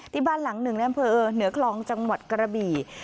ที่บ้านหลังหนึ่งในอำเภอเหนือคลองจังหวัดกระบี่